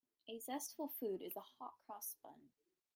A zestful food is the hot-cross bun.